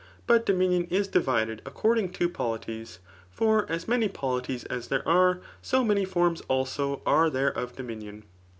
Bat dominion is divided accord ing to poUties. For as many polities as there are^ so many forms also are there of donmiion.